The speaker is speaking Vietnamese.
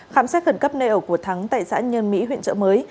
khám xét khẩn cấp nơi ở của thắng tại xã nhân mỹ huyện trợ mới